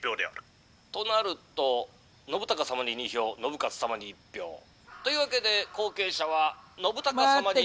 「となると信孝様に２票信雄様に１票。というわけで後継者は信孝様に」。